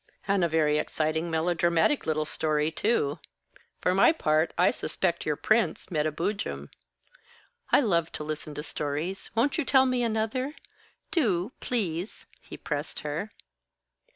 "And a very exciting, melodramatic little story, too. For my part, I suspect your Prince met a boojum. I love to listen to stories. Won't you tell me another? Do, please," he pressed her.